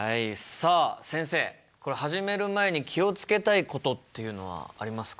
さあ先生始める前に気を付けたいことっていうのはありますか？